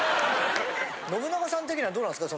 信長さん的にはどうなんですか？